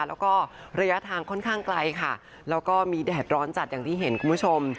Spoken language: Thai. แล้วก็ระยะทางค่อนข้างไกลค่ะแล้วก็มีแดดร้อนจัดอย่างที่เห็นคุณผู้ชม